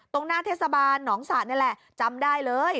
ตรงหน้าเทศบาลหนองสะนี่แหละจำได้เลย